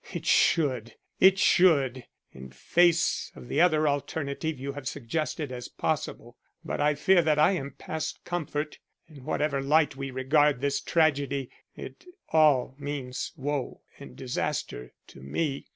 "It should, it should, in face of the other alternative you have suggested as possible. But I fear that I am past comfort. In whatever light we regard this tragedy, it all means woe and disaster to me.